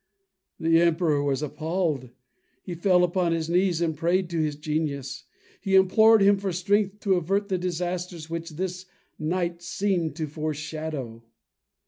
The Emperor was appalled! He fell upon his knees and prayed to his genius. He implored him for strength to avert the disasters which this night seemed to foreshadow.